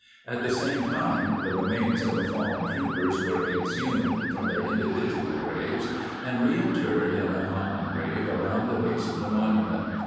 At the same time, the remains of the fallen troopers were exhumed from their individual graves and reinterred in a common grave around the base of the monument.